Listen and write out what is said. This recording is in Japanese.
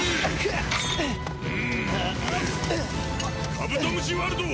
カブトムシワルド！